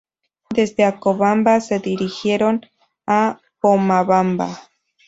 Desde Acobamba se dirigieron a Pomabamba